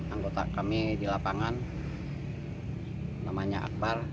lima belas lima puluh lima anggota kami di lapangan namanya akbar